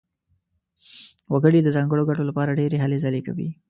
وګړي د ځانګړو ګټو لپاره ډېرې هلې ځلې کوي.